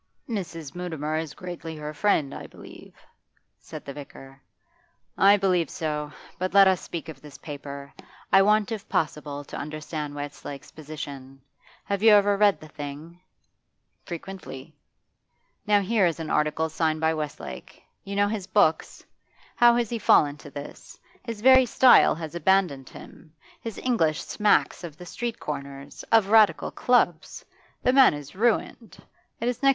'Mrs. Mutimer is greatly her friend, I believe,' said the vicar. 'I believe so. But let us speak of this paper. I want, if possible, to understand Westlake's position. Have you ever read the thing?' 'Frequently.' 'Now here is an article signed by Westlake. You know his books? How has he fallen to this? His very style has abandoned him, his English smacks of the street corners, of Radical clubs. The man is ruined; it is next.